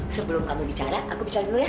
sebelum kamu bicara aku bicara dulu ya